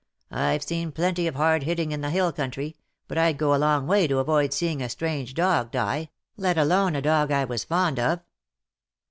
'^ I've seen plenty of hard hitting in the hill country, but I'd go a long way to avoid seeing a strange dog die, let alone a dog I was fond of."